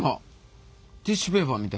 ティッシュペーパーみたい。